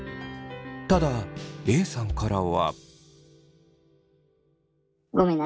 ただＡさんからは。